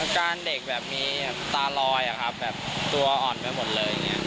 การเด็กแบบมีตาลอยอะครับแบบตัวอ่อนไปหมดเลยอย่างนี้